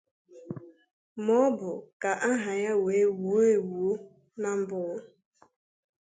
ma ọ bụ ka aha ha were wuo ewuo na mba ụwa